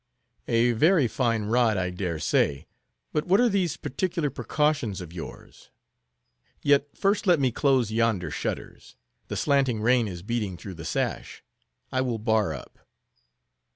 "A very fine rod, I dare say. But what are these particular precautions of yours? Yet first let me close yonder shutters; the slanting rain is beating through the sash. I will bar up."